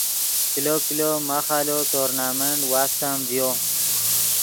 کلو کلو ماخ آلو ٹورنامنٹ واستم ڤیو